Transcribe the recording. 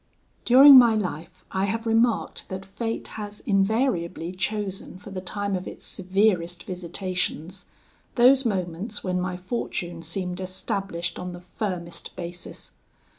"During my life I have remarked that fate has invariably chosen for the time of its severest visitations, those moments when my fortune seemed established on the firmest basis.